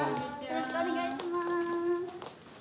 よろしくお願いします。